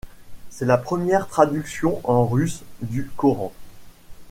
C'est la première traduction en russe du Coran.